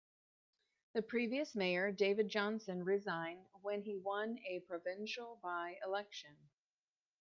The previous mayor David Johnson resigned when he won a provincial by-election.